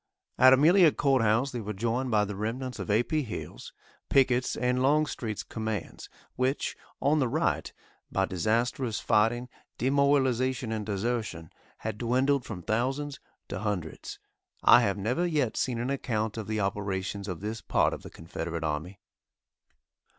At Amelia Courthouse they were joined by the remnants of A. P. Hill's, Pickett's and Longstreet's commands which, on the right, by disastrous fighting, demoralization and desertion, had dwindled from thousands to hundreds. I have never yet seen an account of the operations of this part of the Confederate army.